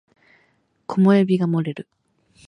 木漏れ日が漏れる